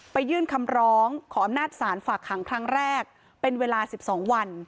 ยื่นคำร้องขออำนาจศาลฝากขังครั้งแรกเป็นเวลา๑๒วัน